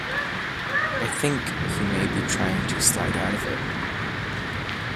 I think he may be trying to slide out of it.